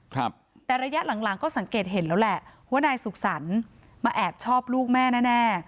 ครับแต่ระยะหลังหลังก็สังเกตเห็นแล้วแหละว่านายสุขสรรค์มาแอบชอบลูกแม่แน่แน่